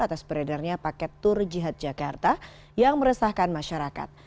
atas beredarnya paket tur jihad jakarta yang meresahkan masyarakat